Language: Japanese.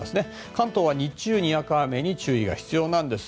関東は日中にわか雨に注意が必要です。